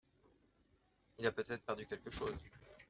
Il a peut-être perdu quelque chose ?